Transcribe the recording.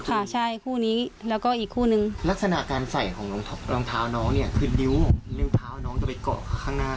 อันนี้คือนิ้วของนิ้วเท้าน้องจะไปเกาะข้างหน้า